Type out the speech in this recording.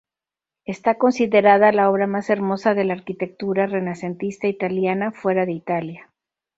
Está considerada la obra más hermosa de la arquitectura renacentista italiana fuera de Italia.